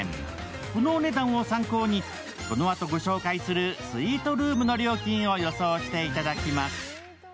このお値段を参考に、このあとご紹介するスイートルームの料金を予想していただきます。